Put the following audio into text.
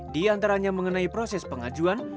di antaranya mengenai proses pengajuan